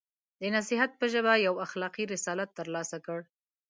د نصیحت په ژبه یو اخلاقي رسالت ترسره کړ.